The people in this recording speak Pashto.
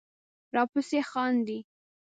راپسې خاندې